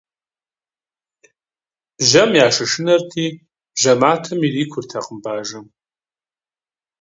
Бжьэм ящышынэрти, бжьэматэм ирикуртэкъым бажэм.